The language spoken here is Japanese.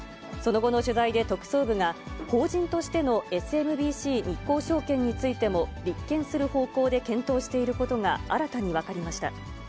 その後の取材で特捜部が、法人としてのＳＭＢＣ日興証券についても、立件する方向で検討していることが新たに分かりました。